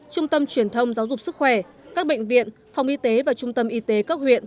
trung tâm truyền thông giáo dục sức khỏe các bệnh viện phòng y tế và trung tâm y tế các huyện